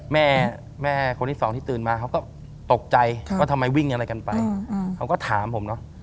แม่แม่คนที่สองที่ตื่นมาเขาก็ตกใจว่าทำไมวิ่งอะไรกันไปเขาก็ถามผมเนอะ